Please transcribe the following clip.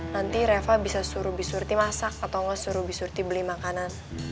nanti reva bisa suruh bisurti masak atau nggak suruh bisurti beli makanan